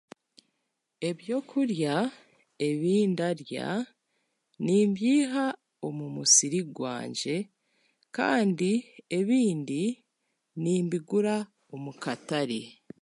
Ebyokurya ebi ndarya, nimbiiha omu musiri gwangye, kandi ebindi nimbigura omu katare.